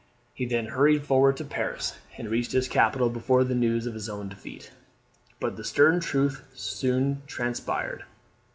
He then hurried forward to Paris, and reached his capital before the news of his own defeat. But the stern truth soon transpired.